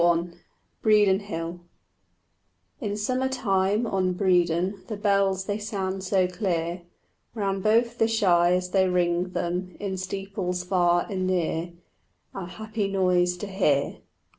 XXI BREDON HILL (1) In summertime on Bredon The bells they sound so clear; Round both the shires they ring them In steeples far and near, A happy noise to hear.